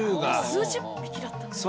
数十匹だったのに。